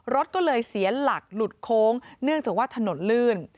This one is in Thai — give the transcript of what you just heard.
รถก็เลยเสียหลักหลุดโค้งเนื่องจากว่าถนนลื่น